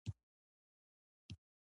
د احمد په تورو کې سپين لګېدلي دي.